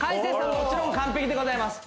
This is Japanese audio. もちろん完璧でございます